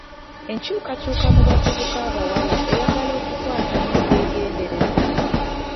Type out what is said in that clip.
Enkyukakyuka mu bavubuka abawala eyagala okukwata n'obwegendereza.